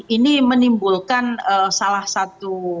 ini menimbulkan salah satu